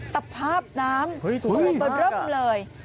ตะพาบน้ำตัวเปิดเริ่มเลย